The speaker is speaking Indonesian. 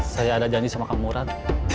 saya ada janji sama kang murad